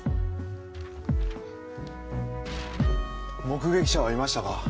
目撃者はいましたか？